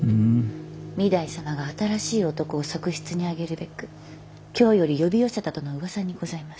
御台様が新しい男を側室に上げるべく京より呼び寄せたとの噂にございます。